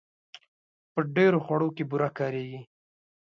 په ډېرو خوړو کې بوره کارېږي.